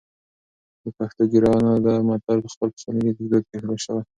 د پښتو ګرانه ده متن په خپل پخواني لیکدود پرېښودل شوی